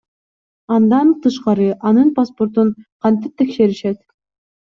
Андан тышкары анын паспортун кантип текшеришет?